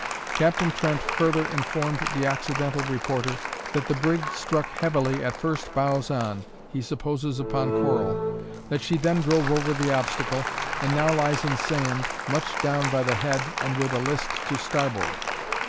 Captain Trent further informed the OCCIDENTAL reporter, that the brig struck heavily at first bows on, he supposes upon coral; that she then drove over the obstacle, and now lies in sand, much down by the head and with a list to starboard.